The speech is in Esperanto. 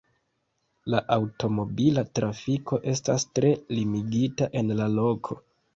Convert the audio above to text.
La aŭtomobila trafiko estas tre limigita en la loko.